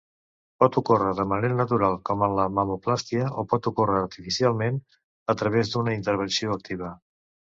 Pot ocórrer de manera natural com en la mamoplàstia o pot ocórrer artificialment a través d'una intervenció activa.